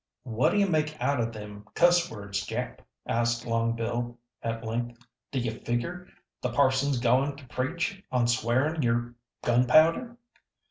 "What d'ye make out o' them cuss words, Jap?" asked Long Bill, at length. "D'ye figger the parson's goin' to preach on swearin' ur gunpowder?"